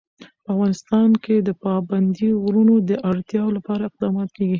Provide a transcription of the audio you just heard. په افغانستان کې د پابندي غرونو د اړتیاوو لپاره اقدامات کېږي.